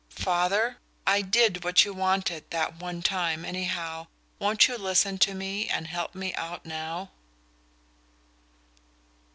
"Father, I did what you wanted that one time, anyhow won't you listen to me and help me out now?"